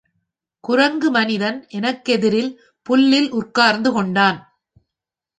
குரங்கு மனிதன் எனக்கெதிரில் புல்லில் உட்கார்ந்து கொண்டான்.